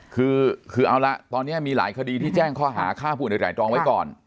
คือคือเอาละตอนนี้มีหลายคดีที่แจ้งข้อหาฆ่าผู้อื่นหลายตรองไว้ก่อน